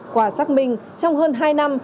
quả xác minh trong hơn hai năm